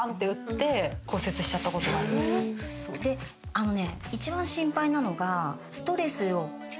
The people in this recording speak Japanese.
あのね。